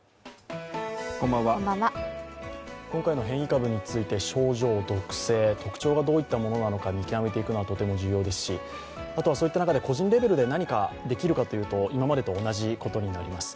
今回の変異株について症状、毒性特徴がどういったものなのか見極めていくのはとても重要ですしあとはそういった中で個人レベルで何かできるかというと、今までと同じことになります。